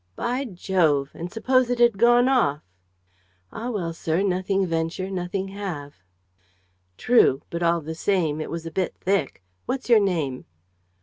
"By Jove! And suppose it had gone off?" "Ah, well, sir, nothing venture, nothing have!" "True, but, all the same, it was a bit thick! What's your name?"